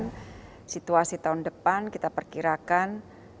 dan situasi tahun depan kita perkirakan